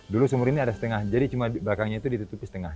dulu sumur ini ada setengah jadi cuma belakangnya itu ditutupi setengah